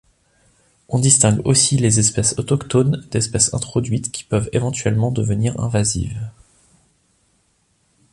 On distingue aussi les espèces autochtones d'espèces introduites qui peuvent éventuellement devenir invasives.